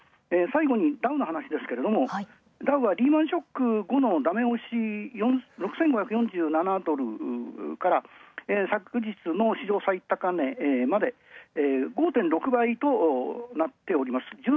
最後にダウの話ですがダウは、リーマンショック後のダメ押し、６５４７ドルから昨日の史上最高値まで、５．６倍となっております。